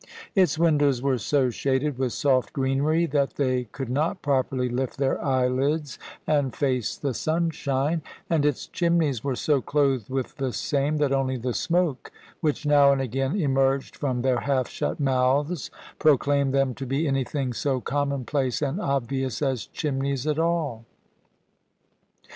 Its windows were so shaded with soft greenery, that they could not properly lift their eyelids and face the sunshine; and its chimneys were so clothed with the same, that only the smoke, which now and again emerged from their half shut mouths, proclaimed them to be anything so common place and obvious as chimneys at all.